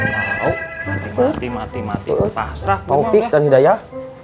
mati mati mati mati pasrah topik dan hidayah